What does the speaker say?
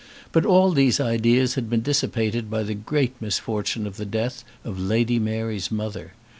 But all these ideas had been dissipated by the great misfortune of the death of Lady Mary's mother.